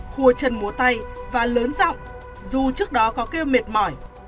khua chân múa tay và lớn rộng dù trước đó có kêu miệt mỏi